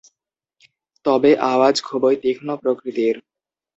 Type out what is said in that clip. তবে আওয়াজ খুবই তীক্ষ্ণ প্রকৃতির।